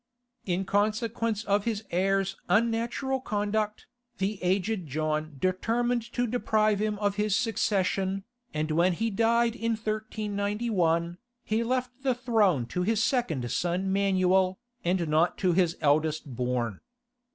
In consequence of his heir's unnatural conduct, the aged John determined to deprive him of his succession, and when he died in 1391, he left the throne to his second son Manuel, and not to his eldest born.